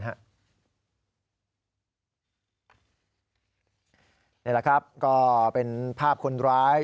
นี่แหละครับก็เป็นภาพคนร้าย